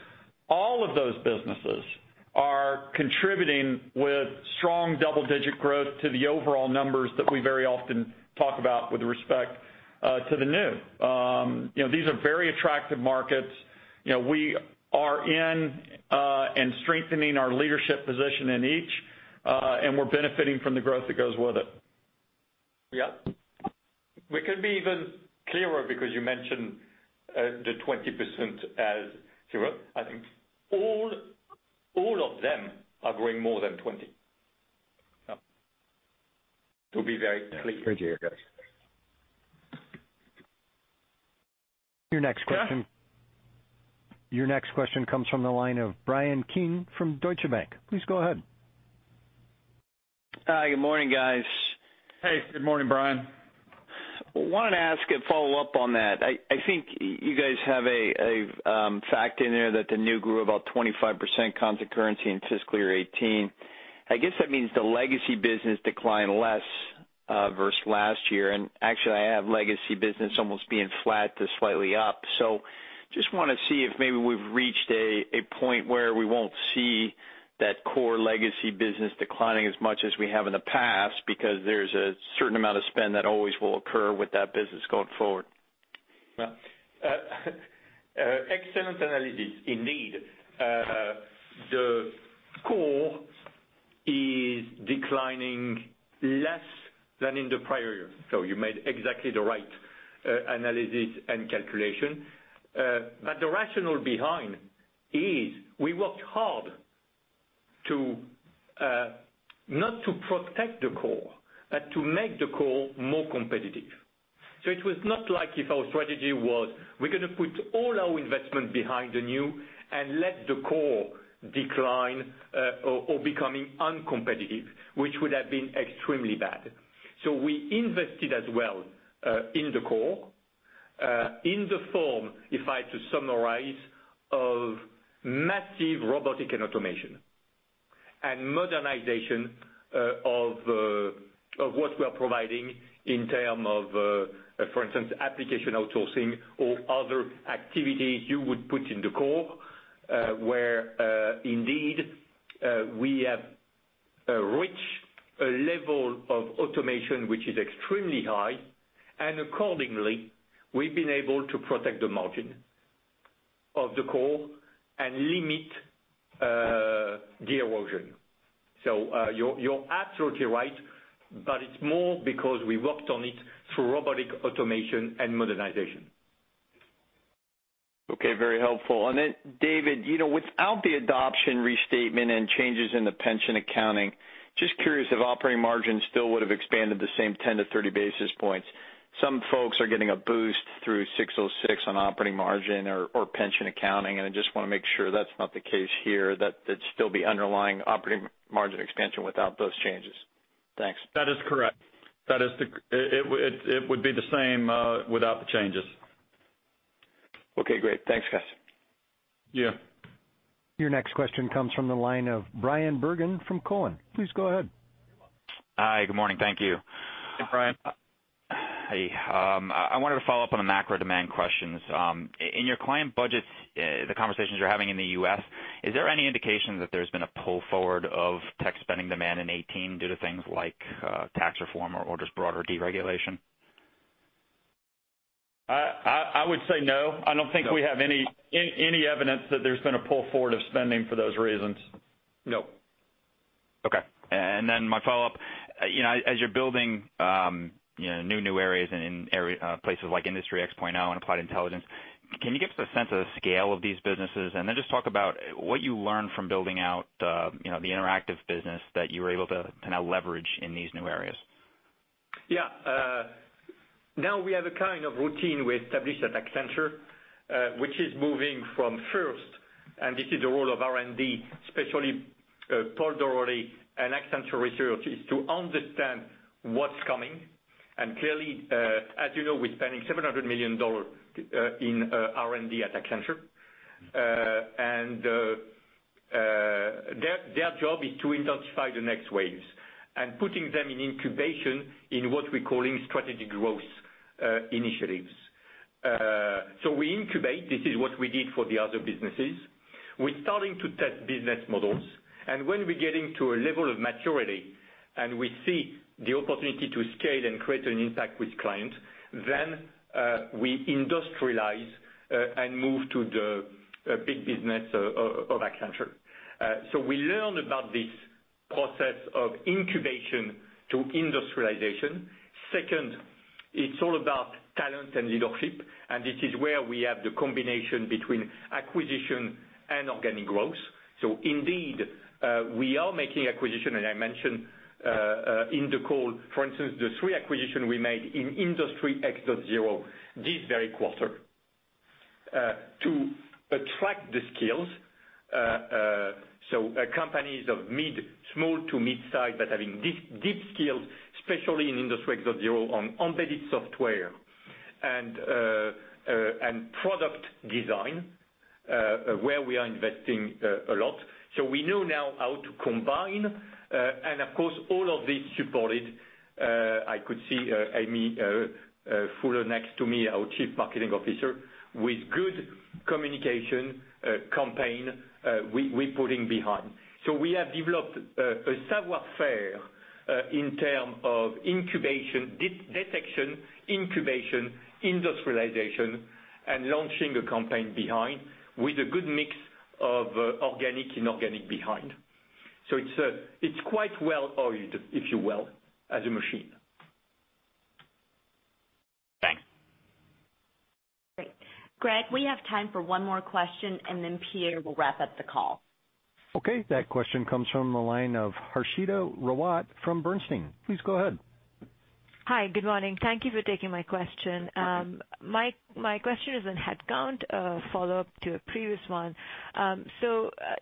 all of those businesses are contributing with strong double-digit growth to the overall numbers that we very often talk about with respect to the new. These are very attractive markets. We are in and strengthening our leadership position in each, and we're benefiting from the growth that goes with it. Yeah. We can be even clearer because you mentioned the 20% [as zero] I think all of them are growing more than 20%. To be very clear. Yeah. Great to hear, guys. Your next question- Yeah. Your next question comes from the line of Bryan Keane from Deutsche Bank. Please go ahead. Hi. Good morning, guys. Hey, good morning, Bryan. Wanted to ask a follow-up on that. I think you guys have a fact in there that the new grew about 25% constant currency in FY 2018. I guess that means the legacy business declined less versus last year, and actually I have legacy business almost being flat to slightly up. Just want to see if maybe we've reached a point where we won't see that core legacy business declining as much as we have in the past because there's a certain amount of spend that always will occur with that business going forward. Well, excellent analysis indeed. The core is declining less than in the prior year. You made exactly the right analysis and calculation. The rationale behind is we worked hard not to protect the core, but to make the core more competitive. It was not like if our strategy was, we're gonna put all our investment behind the new and let the core decline or becoming uncompetitive, which would have been extremely bad. We invested as well in the core in the form, if I to summarize, of massive robotic and automation and modernization of what we are providing in terms of, for instance, application outsourcing or other activities you would put in the core where indeed we have reached a level of automation which is extremely high, and accordingly, we've been able to protect the margin of the core and limit the erosion. You're absolutely right, but it's more because we worked on it through robotic automation and modernization. Okay. Very helpful. David, without the adoption restatement and changes in the pension accounting, just curious if operating margin still would've expanded the same 10 to 30 basis points. Some folks are getting a boost through ASC 606 on operating margin or pension accounting, and I just want to make sure that's not the case here, that'd still be underlying operating margin expansion without those changes. Thanks. That is correct. It would be the same without the changes. Okay, great. Thanks, guys. Yeah. Your next question comes from the line of Bryan Bergin from Cowen. Please go ahead. Hi. Good morning. Thank you. Hey, Bryan. Hey. I wanted to follow up on the macro demand questions. In your client budgets, the conversations you're having in the U.S., is there any indication that there's been a pull forward of tech spending demand in 2018 due to things like tax reform or just broader deregulation? I would say no. I don't think we have any evidence that there's been a pull forward of spending for those reasons. No. Okay. My follow-up, as you're building new areas in places like Industry X.0 and Applied Intelligence, can you give us a sense of the scale of these businesses? Just talk about what you learned from building out the Interactive business that you were able to now leverage in these new areas. Yeah. Now we have a kind of routine we established at Accenture which is moving from first, and this is the role of R&D, especially Paul Daugherty and Accenture Research, is to understand what's coming. Clearly, as you know, we're spending $700 million in R&D at Accenture. Their job is to intensify the next waves and putting them in incubation in what we're calling strategic growth initiatives. We incubate. This is what we did for the other businesses. We're starting to test business models, and when we're getting to a level of maturity and we see the opportunity to scale and create an impact with clients, then we industrialize and move to the big business of Accenture. We learn about this process of incubation to industrialization. Second, it's all about talent and leadership, and this is where we have the combination between acquisition and organic growth. Indeed, we are making acquisitions, as I mentioned in the call. For instance, the three acquisitions we made in Industry X.0 this very quarter. To attract the skills, companies of small to midsize, but having deep skills, especially in Industry X.0 on embedded software and product design, where we are investing a lot. We know now how to combine. Of course, all of this supported, I could see Amy Fuller next to me, our Chief Marketing Officer, with good communication campaign we're putting behind. We have developed a savoir faire in terms of detection, incubation, industrialization, and launching a campaign behind, with a good mix of organic, inorganic behind. It's quite well-oiled, if you will, as a machine. Thanks. Great. Greg, we have time for one more question, then Pierre will wrap up the call. That question comes from the line of Harshita Rawat from Bernstein. Please go ahead. Hi. Good morning. Thank you for taking my question. Okay. My question is on headcount, a follow-up to a previous one.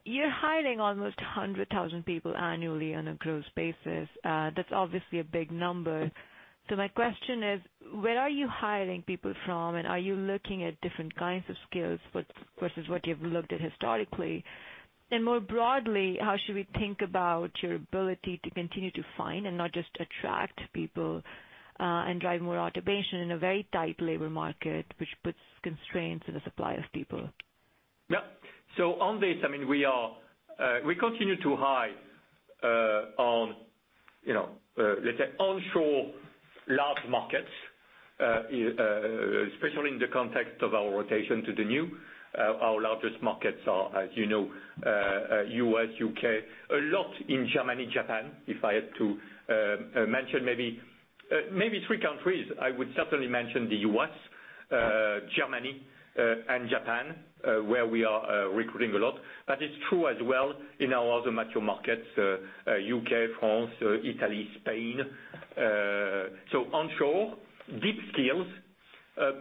You're hiring almost 100,000 people annually on a gross basis. That's obviously a big number. My question is, where are you hiring people from, and are you looking at different kinds of skills versus what you've looked at historically? More broadly, how should we think about your ability to continue to find and not just attract people, and drive more automation in a very tight labor market, which puts constraints on the supply of people? On this, we continue to hire on, let's say, onshore large markets, especially in the context of our rotation to the new. Our largest markets are, as you know, U.S., U.K., a lot in Germany, Japan. If I had to mention maybe three countries, I would certainly mention the U.S., Germany, and Japan, where we are recruiting a lot. It's true as well in our other mature markets, U.K., France, Italy, Spain. Onshore, deep skills,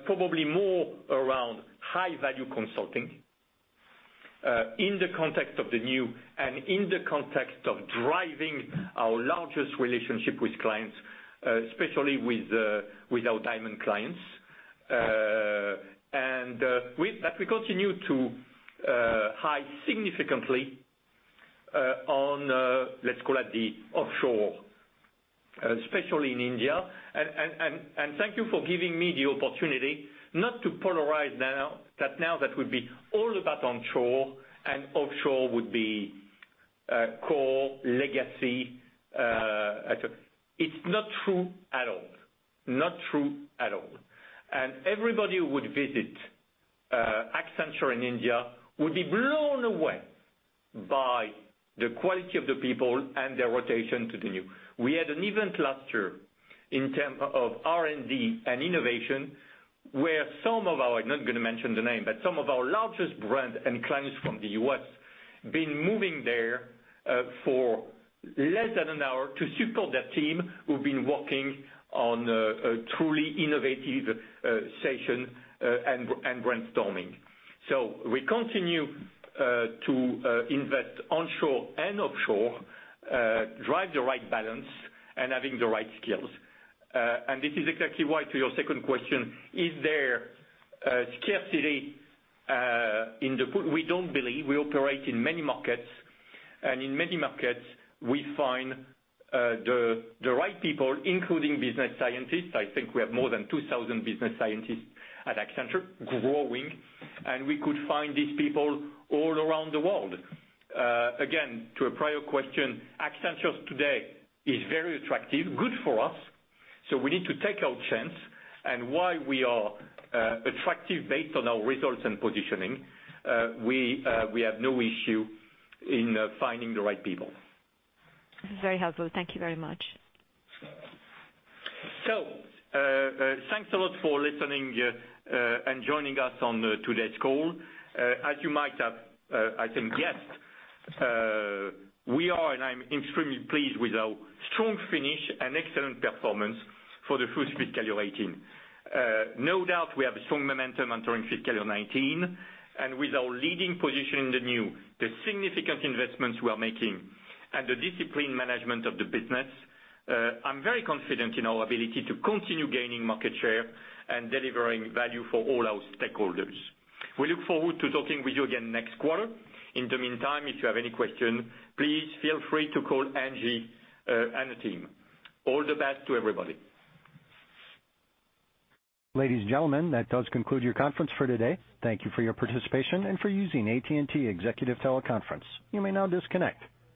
probably more around high-value consulting, in the context of the new and in the context of driving our largest relationship with clients, especially with our diamond clients. That we continue to hire significantly on, let's call it the offshore, especially in India. Thank you for giving me the opportunity not to polarize that now that would be all about onshore and offshore would be core legacy. It's not true at all. Not true at all. Everybody who would visit Accenture in India would be blown away by the quality of the people and their rotation to the new. We had an event last year in term of R&D and innovation, where some of our, I'm not going to mention the name, but some of our largest brand and clients from the U.S. been moving there for less than an hour to support that team who've been working on a truly innovative session and brainstorming. We continue to invest onshore and offshore, drive the right balance, and having the right skills. This is exactly why, to your second question, is there a scarcity in the pool? We don't believe. We operate in many markets, and in many markets, we find the right people, including business scientists. I think we have more than 2,000 business scientists at Accenture growing, we could find these people all around the world. Again, to a prior question, Accenture today is very attractive, good for us. We need to take our chance, and while we are attractive based on our results and positioning, we have no issue in finding the right people. This is very helpful. Thank you very much. Thanks a lot for listening and joining us on today's call. As you might have, I think, guessed, we are, and I'm extremely pleased with our strong finish and excellent performance for the full fiscal year 2018. No doubt we have strong momentum entering fiscal year 2019, and with our leading position in the new, the significant investments we are making, and the discipline management of the business, I'm very confident in our ability to continue gaining market share and delivering value for all our stakeholders. We look forward to talking with you again next quarter. In the meantime, if you have any question, please feel free to call Angie and the team. All the best to everybody. Ladies, gentlemen, that does conclude your conference for today. Thank you for your participation and for using AT&T Executive Teleconference. You may now disconnect.